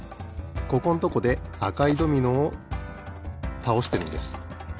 ここんとこであかいドミノをたおしてるんです。